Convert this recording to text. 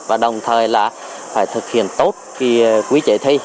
và đồng thời là phải thực hiện tốt quy chế thi